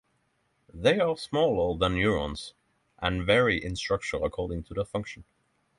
They are smaller than neurons, and vary in structure according to their function.